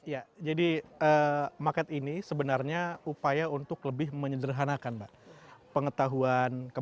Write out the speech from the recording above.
ya jadi market ini sebenarnya upaya untuk lebih menyejarkan bahwa pengetahuan